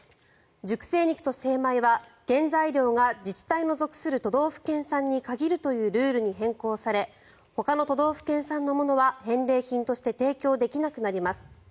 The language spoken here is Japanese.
熟成肉と精米は原材料が自治体の属する都道府県産に限るというルールに変更されほかの都道府県産のものは返礼品として提供できなくなります。